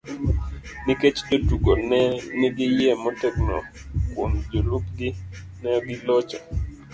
Nikech jotugo ne nigi yie motegno kuom jolupgi, ne gilocho.